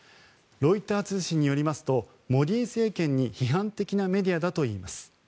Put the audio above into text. ロイター通信によりますとモディ政権に批判的なメディアだといいます。